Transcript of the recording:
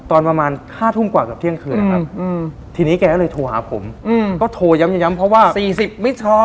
ตอนประมาณ๕ทุ่มกว่ากับเที่ยงคืนนะครับทีนี้แกก็เลยโทรหาผมก็โทรย้ำเพราะว่า๔๐ไม่ช้อ